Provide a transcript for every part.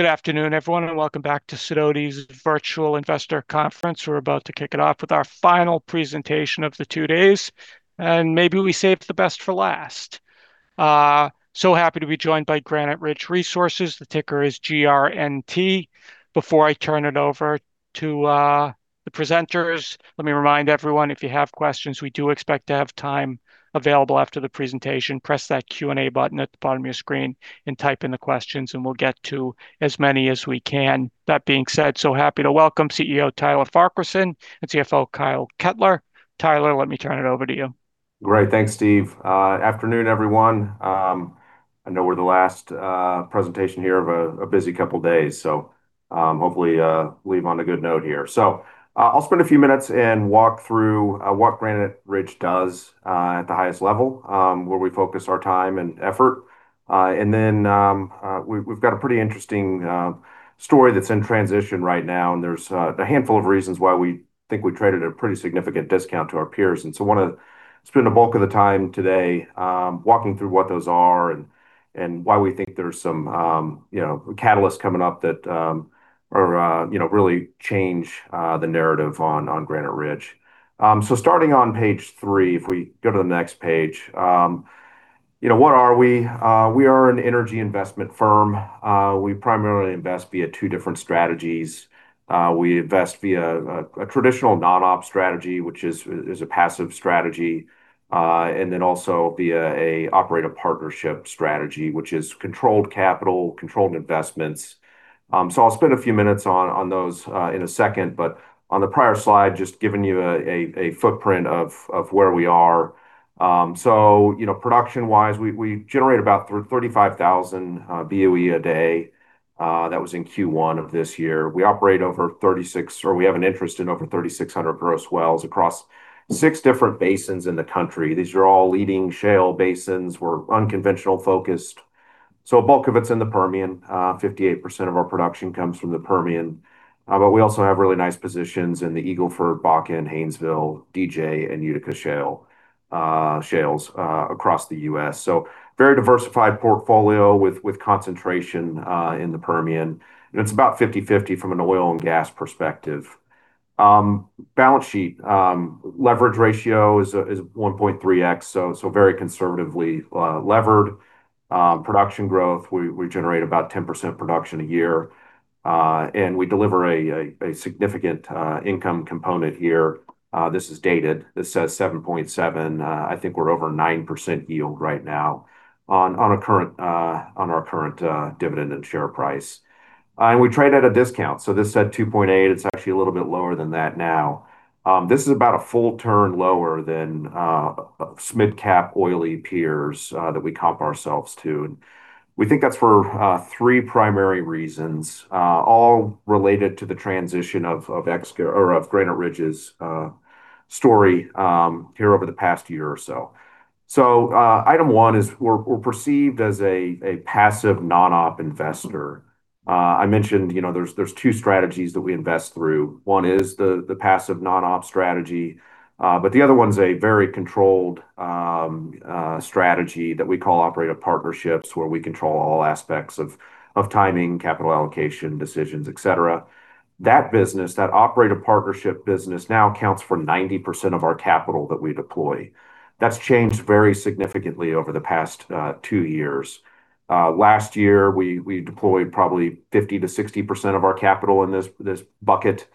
Good afternoon, everyone, and welcome back to Sidoti's Virtual Investor Conference. We are about to kick it off with our final presentation of the two days, and maybe we saved the best for last. So happy to be joined by Granite Ridge Resources. The ticker is GRNT. Before I turn it over to the presenters, let me remind everyone, if you have questions, we do expect to have time available after the presentation. Press that Q&A button at the bottom of your screen and type in the questions, and we will get to as many as we can. That being said, so happy to welcome CEO Tyler Farquharson and CFO Kyle Kettler. Tyler, let me turn it over to you. Great. Thanks, Steve. Afternoon, everyone. I know we are the last presentation here of a busy couple of days, so hopefully leave on a good note here. I will spend a few minutes and walk through what Granite Ridge does at the highest level, where we focus our time and effort. Then we have got a pretty interesting story that is in transition right now, and there is a handful of reasons why we think we trade at a pretty significant discount to our peers. I want to spend the bulk of the time today walking through what those are and why we think there is some catalysts coming up that really change the narrative on Granite Ridge. Starting on page three, if we go to the next page. What are we? We are an energy investment firm. We primarily invest via two different strategies. We invest via a traditional non-op strategy, which is a passive strategy, and then also via an operator partnership strategy, which is controlled capital, controlled investments. I will spend a few minutes on those in a second. But on the prior slide, just giving you a footprint of where we are. Production-wise, we generate about 35,000 BOE a day. That was in Q1 of this year. We operate over, or we have an interest in over 3,600 gross wells across six different basins in the country. These are all leading shale basins. We are unconventional-focused, so a bulk of it is in the Permian. 58% of our production comes from the Permian. But we also have really nice positions in the Eagle Ford, Bakken, Haynesville, DJ, and Utica shales across the U.S. So very diversified portfolio with concentration in the Permian. And it is about 50/50 from an oil and gas perspective. Balance sheet. Leverage ratio is 1.3x, so very conservatively levered. Production growth, we generate about 10% production a year. And we deliver a significant income component here. This is dated. This says 7.7. I think we are over 9% yield right now on our current dividend and share price. And we trade at a discount. This said 2.8, it is actually a little bit lower than that now. This is about a full turn lower than mid-cap oily peers that we comp ourselves to. And we think that is for three primary reasons, all related to the transition of Granite Ridge's story here over the past year or so. Item one is we are perceived as a passive non-op investor. I mentioned there are two strategies that we invest through. One is the passive non-op strategy, the other one's a very controlled strategy that we call operative partnerships, where we control all aspects of timing, capital allocation decisions, et cetera. That business, that operator partnership business now accounts for 90% of our capital that we deploy. That's changed very significantly over the past two years. Last year, we deployed probably 50%-60% of our capital in this bucket.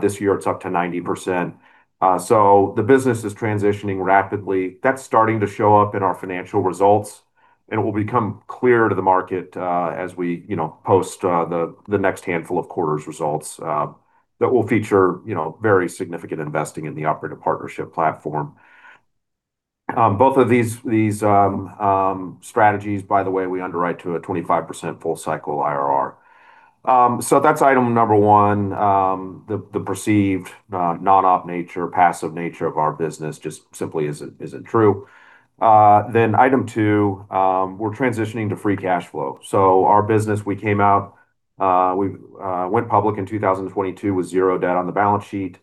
This year, it's up to 90%. The business is transitioning rapidly. That's starting to show up in our financial results, and it will become clear to the market as we post the next handful of quarters results that will feature very significant investing in the operative partnership platform. Both of these strategies, by the way, we underwrite to a 25% full cycle IRR. That's item number one, the perceived non-op nature, passive nature of our business just simply isn't true. Item two, we're transitioning to free cash flow. Our business, we came out, we went public in 2022 with zero debt on the balance sheet.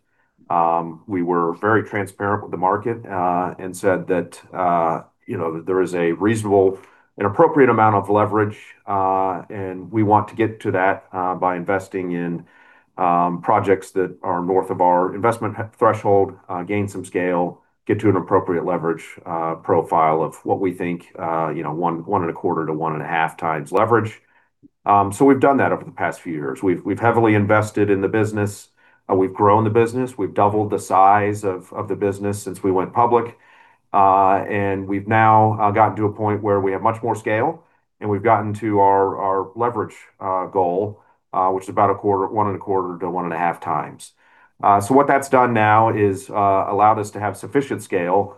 We were very transparent with the market and said that there is a reasonable and appropriate amount of leverage, and we want to get to that by investing in projects that are north of our investment threshold, gain some scale, get to an appropriate leverage profile of what we think one and a quarter to one and a half times leverage. We've done that over the past few years. We've heavily invested in the business. We've grown the business. We've doubled the size of the business since we went public. We've now gotten to a point where we have much more scale, and we've gotten to our leverage goal, which is about one and a quarter to one and a half times. What that's done now is allowed us to have sufficient scale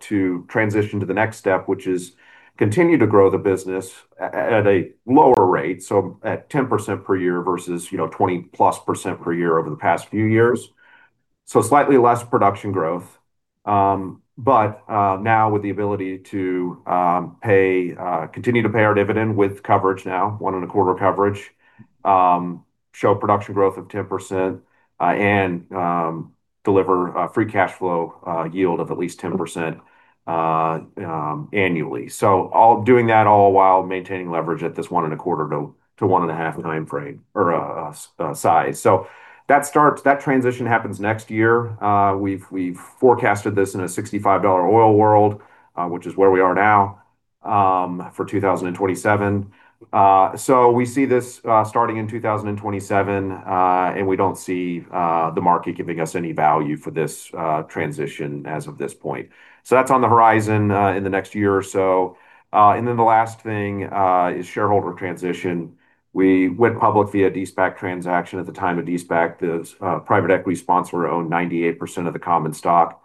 to transition to the next step, which is continue to grow the business at a lower rate, at 10% per year versus 20%+ per year over the past few years. Slightly less production growth. Now with the ability to continue to pay our dividend with coverage now, one and a quarter coverage, show production growth of 10%. Deliver free cash flow yield of at least 10% annually. Doing that all while maintaining leverage at this one in a quarter to one and a half time frame or size. That transition happens next year. We've forecasted this in a $65 oil world, which is where we are now, for 2027. We see this starting in 2027. We don't see the market giving us any value for this transition as of this point. That's on the horizon in the next year or so. The last thing is shareholder transition. We went public via de-SPAC transaction. At the time of de-SPAC, the private equity sponsor owned 98% of the common stock.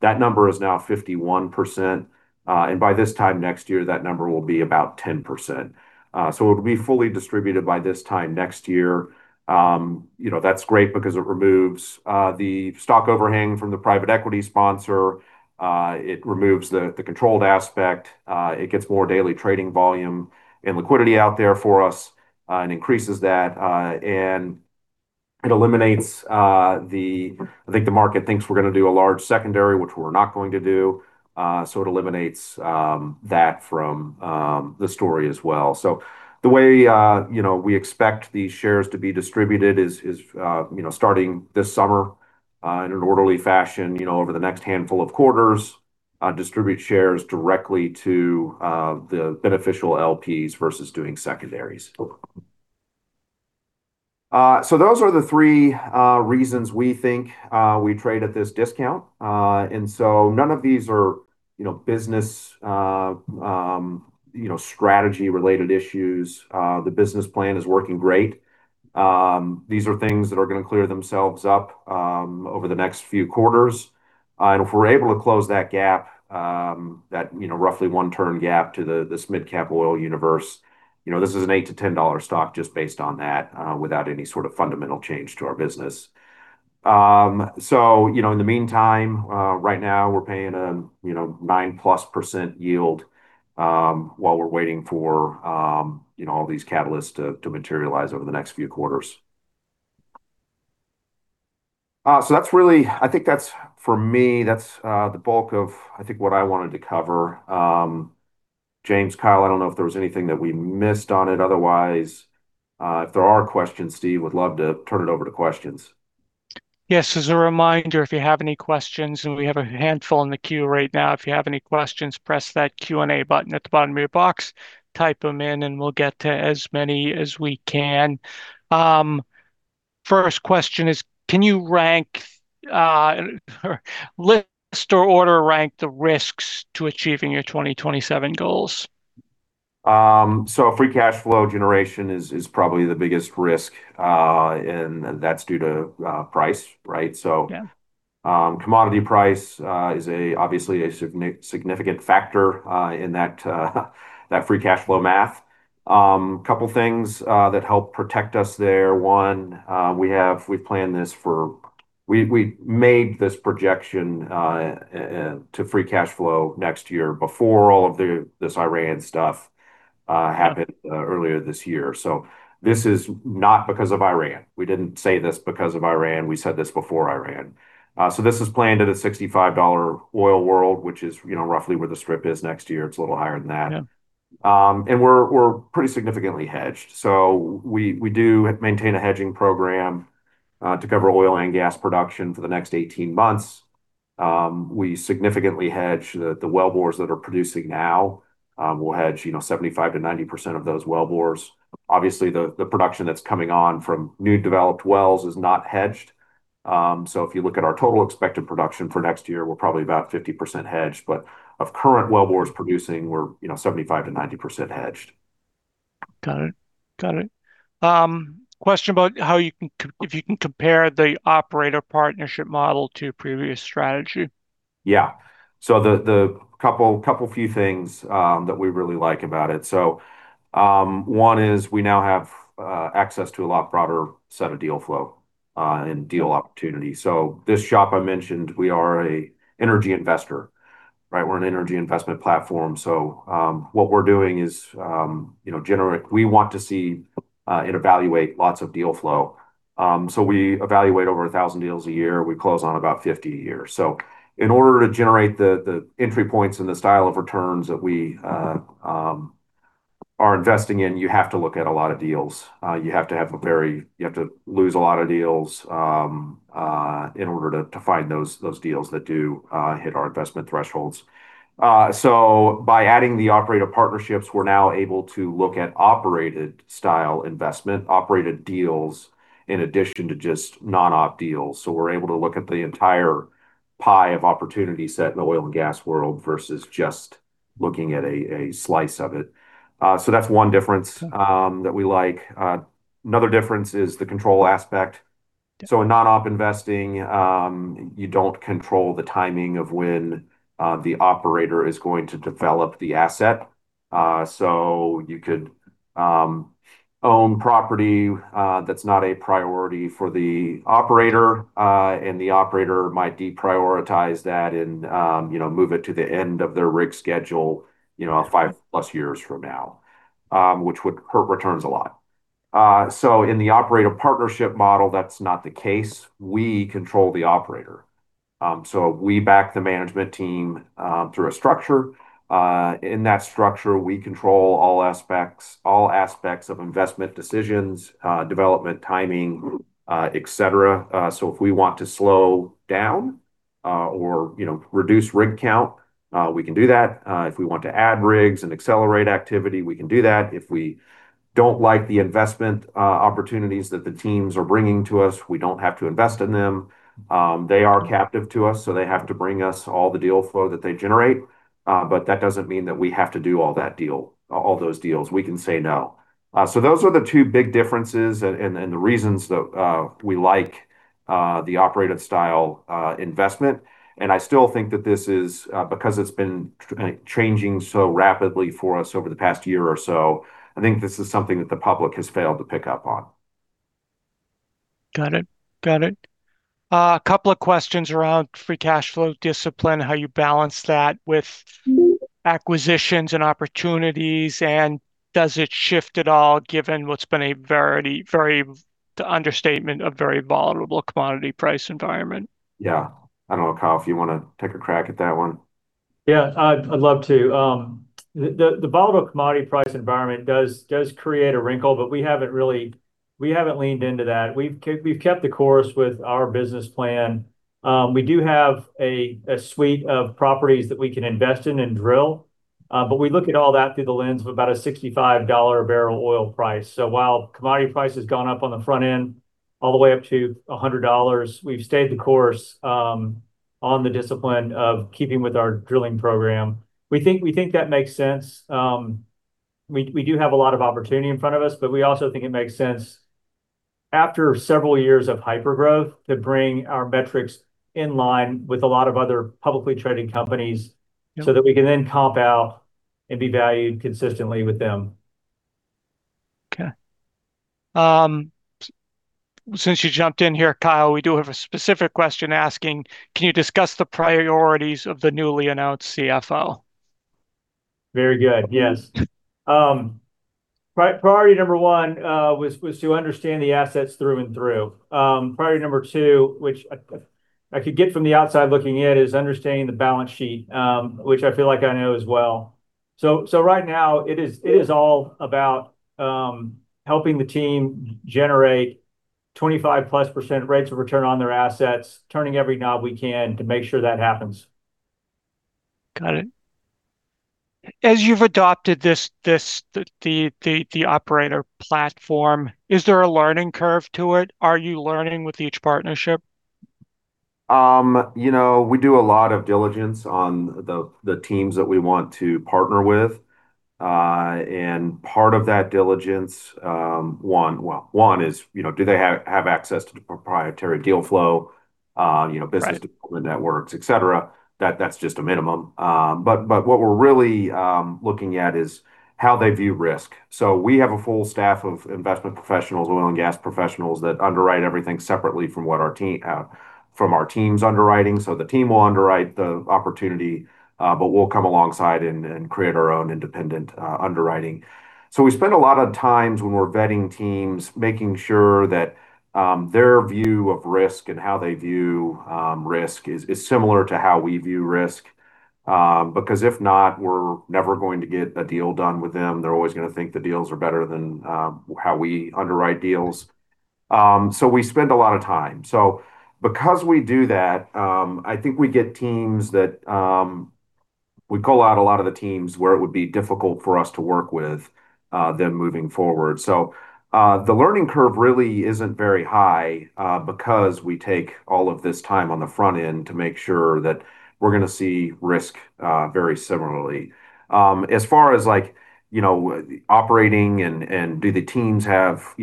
That number is now 51%. By this time next year, that number will be about 10%. It'll be fully distributed by this time next year. That's great because it removes the stock overhang from the private equity sponsor. It removes the controlled aspect. It gets more daily trading volume and liquidity out there for us and increases that. I think the market thinks we're going to do a large secondary, which we're not going to do. It eliminates that from the story as well. The way we expect these shares to be distributed is starting this summer, in an orderly fashion, over the next handful of quarters, distribute shares directly to the beneficial LPs versus doing secondaries. Those are the three reasons we think we trade at this discount. None of these are business strategy-related issues. The business plan is working great. These are things that are going to clear themselves up over the next few quarters. If we're able to close that gap, that roughly one-term gap to this mid-cap oil universe, this is an $8-$10 stock just based on that, without any sort of fundamental change to our business. In the meantime, right now, we're paying a 9%+ yield, while we're waiting for all these catalysts to materialize over the next few quarters. I think that's for me, that's the bulk of, I think, what I wanted to cover. James, Kyle, I don't know if there was anything that we missed on it. Otherwise, if there are questions, Steve, would love to turn it over to questions. Yes. As a reminder, if you have any questions, we have a handful in the queue right now, if you have any questions, press that Q&A button at the bottom of your box, type them in, we'll get to as many as we can. First question is, "Can you rank or list or order rank the risks to achieving your 2027 goals? Free cash flow generation is probably the biggest risk, that's due to price, right? Yeah. Commodity price is obviously a significant factor in that free cash flow math. Couple things that help protect us there. One, we made this projection to free cash flow next year before all of this Iran stuff happened earlier this year. This is not because of Iran. We didn't say this because of Iran. We said this before Iran. This is planned at a $65 oil world, which is roughly where the strip is next year. It's a little higher than that. Yeah. We're pretty significantly hedged. We do maintain a hedging program to cover oil and gas production for the next 18 months. We significantly hedge the wellbores that are producing now. We'll hedge 75%-90% of those wellbores. Obviously, the production that's coming on from new developed wells is not hedged. If you look at our total expected production for next year, we're probably about 50% hedged. Of current wellbores producing, we're 75%-90% hedged. Got it. Question about if you can compare the operator partnership model to your previous strategy. Yeah. The couple few things that we really like about it. One is we now have access to a lot broader set of deal flow and deal opportunity. This shop I mentioned, we are an energy investor, right? We're an energy investment platform. What we're doing is we want to see and evaluate lots of deal flow. We evaluate over 1,000 deals a year. We close on about 50 a year. In order to generate the entry points and the style of returns that we are investing in, you have to look at a lot of deals. You have to lose a lot of deals in order to find those deals that do hit our investment thresholds. By adding the operator partnerships, we're now able to look at operated style investment, operated deals in addition to just non-op deals. We're able to look at the entire pie of opportunity set in the oil and gas world versus just looking at a slice of it. That's one difference that we like. Another difference is the control aspect. In non-op investing, you don't control the timing of when the operator is going to develop the asset. You could own property that's not a priority for the operator. The operator might deprioritize that and move it to the end of their rig schedule five-plus years from now, which would hurt returns a lot. In the operator partnership model, that's not the case. We control the operator. We back the management team through a structure. In that structure, we control all aspects of investment decisions, development timing, et cetera. If we want to slow down or reduce rig count, we can do that. If we want to add rigs and accelerate activity, we can do that. If we don't like the investment opportunities that the teams are bringing to us, we don't have to invest in them. They are captive to us, so they have to bring us all the deal flow that they generate. That doesn't mean that we have to do all those deals. We can say no. Those are the two big differences and the reasons that we like the operated style investment. I still think that this is, because it's been changing so rapidly for us over the past year or so, I think this is something that the public has failed to pick up on. Got it. A couple of questions around free cash flow discipline, how you balance that with acquisitions and opportunities, and does it shift at all given what's been, an understatement, a very volatile commodity price environment? Yeah. I don't know, Kyle, if you want to take a crack at that one. Yeah, I'd love to. The volatile commodity price environment does create a wrinkle, we haven't leaned into that. We've kept the course with our business plan. We do have a suite of properties that we can invest in and drill. We look at all that through the lens of about a $65 a barrel oil price. While commodity price has gone up on the front end all the way up to $100, we've stayed the course on the discipline of keeping with our drilling program. We think that makes sense. We do have a lot of opportunity in front of us, we also think it makes sense after several years of hypergrowth to bring our metrics in line with a lot of other publicly traded companies. That we can then comp out and be valued consistently with them. Okay. Since you jumped in here, Kyle, we do have a specific question asking, can you discuss the priorities of the newly announced CFO? Very good. Yes. Priority number one was to understand the assets through and through. Priority number two, which I could get from the outside looking in, is understanding the balance sheet, which I feel like I know as well. Right now it is all about helping the team generate 25%+ rates of return on their assets, turning every knob we can to make sure that happens. Got it. As you've adopted the operator platform, is there a learning curve to it? Are you learning with each partnership? We do a lot of diligence on the teams that we want to partner with. Part of that diligence, one is, do they have access to the proprietary deal flow? Right. Business development networks, et cetera. That's just a minimum. What we're really looking at is how they view risk. We have a full staff of investment professionals, oil and gas professionals that underwrite everything separately from our team's underwriting. The team will underwrite the opportunity, but we'll come alongside and create our own independent underwriting. We spend a lot of times when we're vetting teams, making sure that their view of risk and how they view risk is similar to how we view risk. If not, we're never going to get a deal done with them. They're always going to think the deals are better than how we underwrite deals. We spend a lot of time. Because we do that, I think we get teams. We call out a lot of the teams where it would be difficult for us to work with them moving forward. The learning curve really isn't very high, because we take all of this time on the front end to make sure that we're going to see risk very similarly. As far as operating,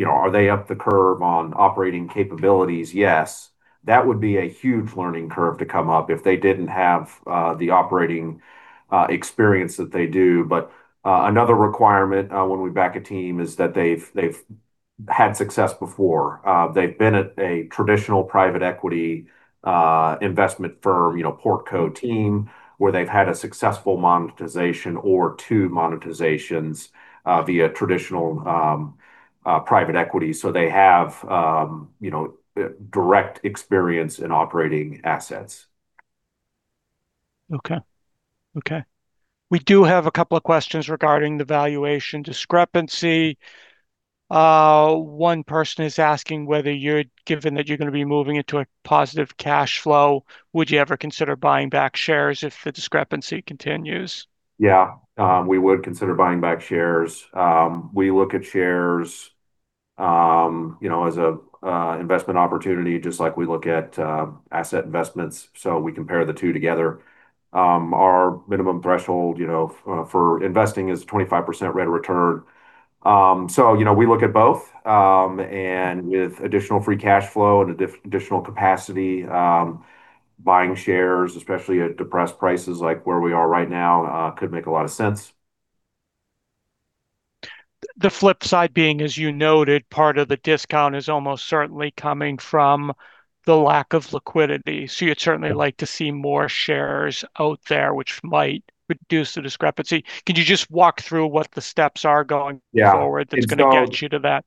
are they up the curve on operating capabilities? Yes. That would be a huge learning curve to come up if they didn't have the operating experience that they do. Another requirement when we back a team is that they've had success before. They've been at a traditional private equity investment firm, [PortCo] team, where they've had a successful monetization or two monetizations via traditional private equity. They have direct experience in operating assets. Okay. We do have a couple of questions regarding the valuation discrepancy. One person is asking whether, given that you're going to be moving into a positive cash flow, would you ever consider buying back shares if the discrepancy continues? Yeah. We would consider buying back shares. We look at shares as an investment opportunity, just like we look at asset investments. We compare the two together. Our minimum threshold for investing is a 25% rate of return. We look at both, and with additional free cash flow and additional capacity, buying shares, especially at depressed prices like where we are right now, could make a lot of sense. The flip side being, as you noted, part of the discount is almost certainly coming from the lack of liquidity. You'd certainly like to see more shares out there, which might reduce the discrepancy. Could you just walk through what the steps are going forward? Yeah That's going to get you to that?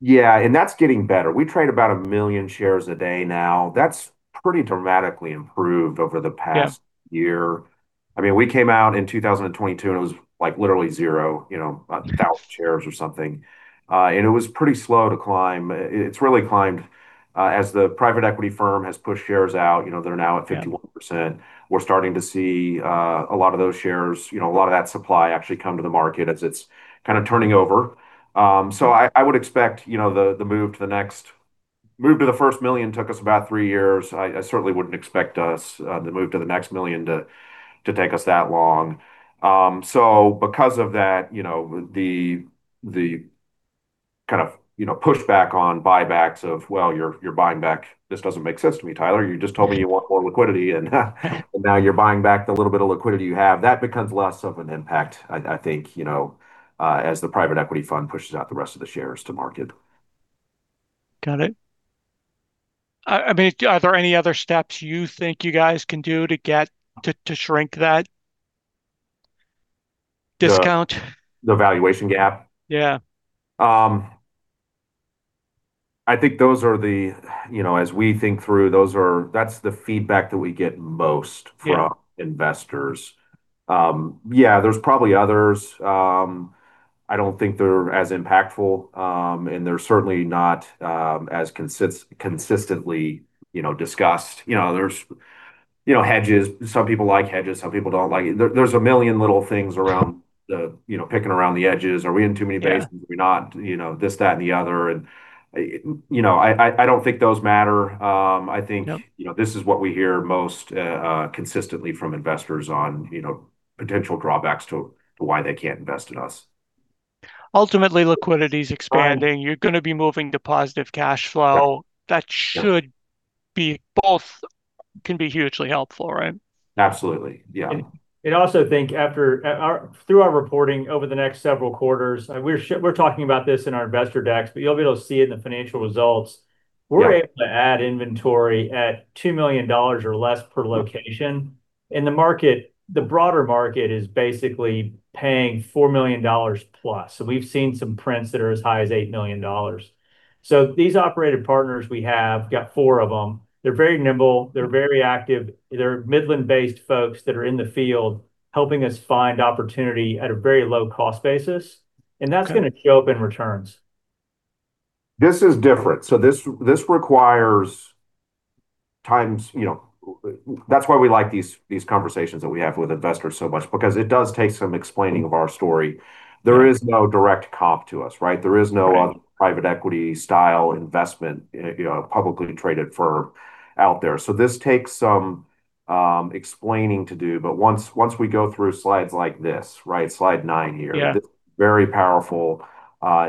Yeah, that's getting better. We trade about 1 million shares a day now. That's pretty dramatically improved over the past- Yeah - year. We came out in 2022, it was literally zero. 1,000 shares or something. It was pretty slow to climb. It's really climbed as the private equity firm has pushed shares out. They're now at 51%. We're starting to see a lot of those shares, a lot of that supply actually come to the market as it's kind of turning over. I would expect the move to the first million took us about three years. I certainly wouldn't expect us, the move to the next million, to take us that long. Because of that, the pushback on buybacks of, "Well, you're buying back. This doesn't make sense to me, Tyler. You just told me you want more liquidity, now you're buying back the little bit of liquidity you have." That becomes less of an impact, I think, as the private equity fund pushes out the rest of the shares to market. Got it. Are there any other steps you think you guys can do to shrink that discount? The valuation gap? Yeah. As we think through, that's the feedback that we get most from Yeah investors. Yeah, there's probably others. I don't think they're as impactful, and they're certainly not as consistently discussed. There's hedges. Some people like hedges, some people don't like it. There's a million little things picking around the edges. Are we in too many basins? Yeah. Are we not? This, that, and the other. I don't think those matter. Yep. This is what we hear most consistently from investors on potential drawbacks to why they can't invest in us. Ultimately, liquidity's expanding. You're going to be moving to positive cash flow. Both can be hugely helpful, right? Absolutely. Yeah. Also think through our reporting over the next several quarters, we're talking about this in our investor decks, but you'll be able to see it in the financial results. Yeah. We're able to add inventory at $2 million or less per location. In the market, the broader market is basically paying $4 million plus. We've seen some prints that are as high as $8 million. These operated partners, we have got four of them. They're very nimble. They're very active. They're Midland-based folks that are in the field helping us find opportunity at a very low cost basis. That's going to show up in returns. This is different. That's why we like these conversations that we have with investors so much because it does take some explaining of our story. There is no direct comp to us, right? Right. There is no other private equity style investment, publicly traded firm out there. This takes some explaining to do. Once we go through slides like this, right, slide nine here. Yeah very powerful. Why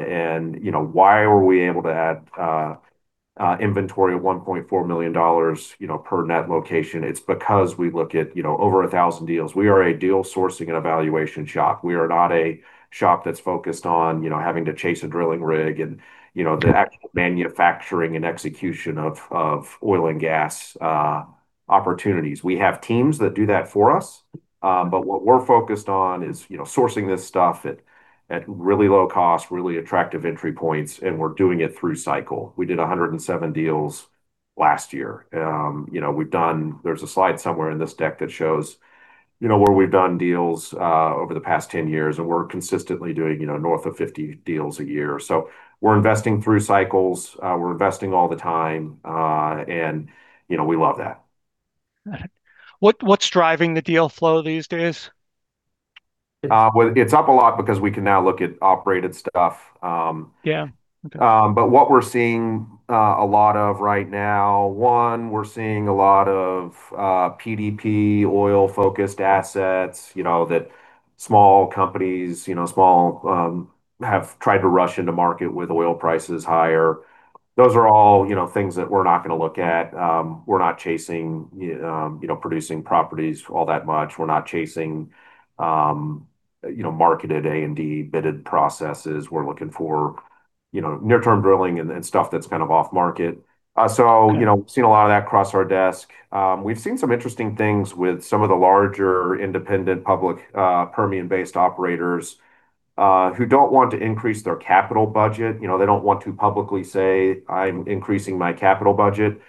were we able to add inventory of $1.4 million per net location? It's because we look at over 1,000 deals. We are a deal sourcing and evaluation shop. We are not a shop that's focused on having to chase a drilling rig and the actual manufacturing and execution of oil and gas opportunities. We have teams that do that for us. What we're focused on is sourcing this stuff at really low cost, really attractive entry points, and we're doing it through cycle. We did 107 deals last year. There's a slide somewhere in this deck that shows where we've done deals over the past 10 years, and we're consistently doing north of 50 deals a year. We're investing through cycles. We're investing all the time. We love that. What's driving the deal flow these days? Well, it's up a lot because we can now look at operated stuff. Yeah. Okay. What we're seeing a lot of right now, one, we're seeing a lot of PDP oil-focused assets, that small companies have tried to rush into market with oil prices higher. Those are all things that we're not going to look at. We're not chasing producing properties all that much. We're not chasing marketed A&D bidded processes. We're looking for near-term drilling and stuff that's off-market. Okay. Seeing a lot of that cross our desk. We've seen some interesting things with some of the larger independent public Permian-based operators who don't want to increase their capital budget. They don't want to publicly say, "I'm increasing my capital budget."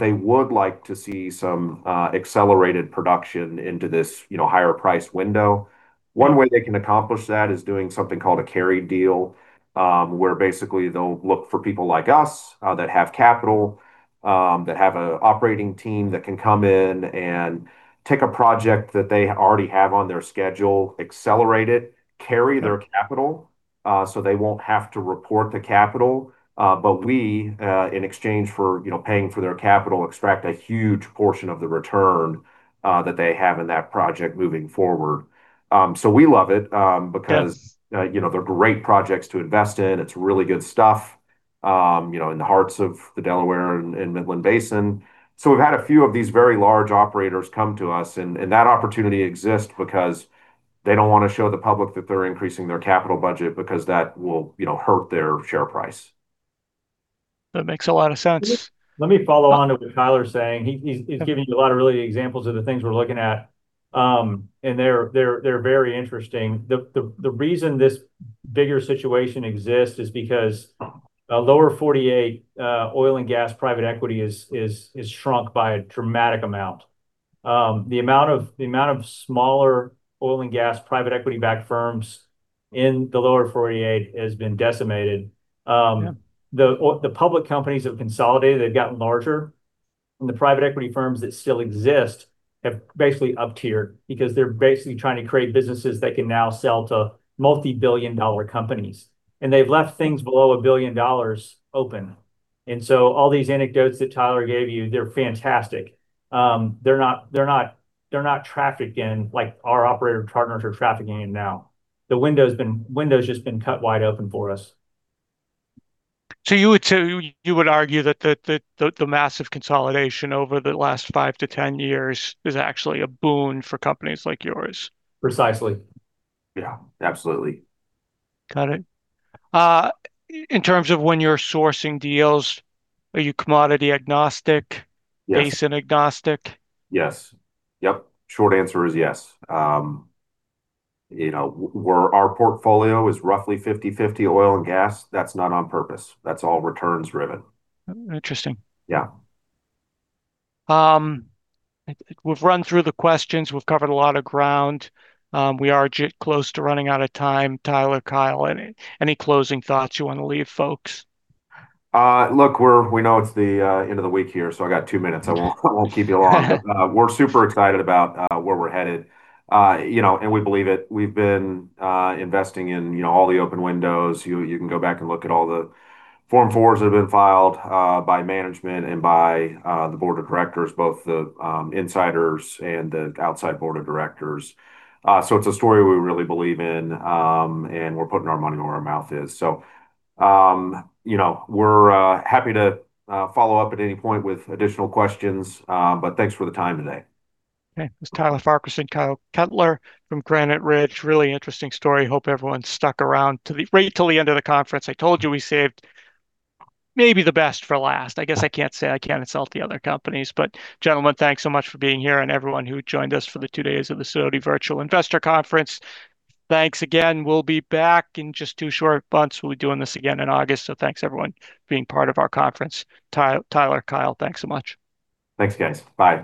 They would like to see some accelerated production into this higher price window. One way they can accomplish that is doing something called a carry deal, where basically they'll look for people like us, that have capital, that have an operating team that can come in and take a project that they already have on their schedule, accelerate it, carry their capital, so they won't have to report the capital. We, in exchange for paying for their capital, extract a huge portion of the return that they have in that project moving forward. We love it. Yeah because they're great projects to invest in. It's really good stuff in the hearts of the Delaware and Midland Basin. We've had a few of these very large operators come to us, and that opportunity exists because they don't want to show the public that they're increasing their capital budget because that will hurt their share price. That makes a lot of sense. Let me follow on to what Tyler's saying. He's giving you a lot of really examples of the things we're looking at, and they're very interesting. The reason this bigger situation exists is because Lower 48 oil and gas private equity has shrunk by a dramatic amount. The amount of smaller oil and gas private equity-backed firms in the Lower 48 has been decimated. Yeah. The public companies have consolidated, they've gotten larger, and the private equity firms that still exist have basically uptiered because they're basically trying to create businesses that can now sell to multi-billion dollar companies. They've left things below a billion dollars open. All these anecdotes that Tyler gave you, they're fantastic. They're not traffic in like our operator partners are trafficking in now. The window's just been cut wide open for us. You would argue that the massive consolidation over the last 5-10 years is actually a boon for companies like yours? Precisely. Yeah, absolutely. Got it. In terms of when you're sourcing deals, are you commodity agnostic- Yes basin agnostic? Yes. Yep. Short answer is yes. Our portfolio is roughly 50/50 oil and gas. That's not on purpose. That's all returns driven. Interesting. Yeah. We've run through the questions. We've covered a lot of ground. We are close to running out of time. Tyler, Kyle, any closing thoughts you want to leave folks? Look, we know it's the end of the week here. I got two minutes. I won't keep you long. We're super excited about where we're headed. We believe it. We've been investing in all the open windows. You can go back and look at all the Form 4s that have been filed by management and by the board of directors, both the insiders and the outside board of directors. It's a story we really believe in, and we're putting our money where our mouth is. We're happy to follow up at any point with additional questions, but thanks for the time today. Okay. That's Tyler Farquharson and Kyle Kettler from Granite Ridge. Really interesting story. Hope everyone stuck around right till the end of the conference. I told you we saved maybe the best for last. I guess I can't say, I can't insult the other companies. Gentlemen, thanks so much for being here, and everyone who joined us for the two days of the Sidoti Virtual Investor Conference. Thanks again. We'll be back in just two short months. We'll be doing this again in August. Thanks everyone for being part of our conference. Tyler, Kyle, thanks so much. Thanks, guys. Bye.